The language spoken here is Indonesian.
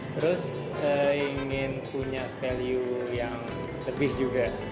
terus ingin punya value yang lebih juga